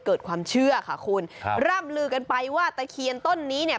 เกิดความเชื่อค่ะคุณครับร่ำลือกันไปว่าตะเคียนต้นนี้เนี่ย